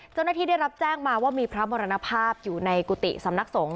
เจ้าหน้าที่ได้รับแจ้งมาว่ามีพระมรณภาพอยู่ในกุฏิสำนักสงฆ